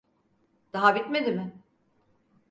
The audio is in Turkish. Daha bitmedi mi?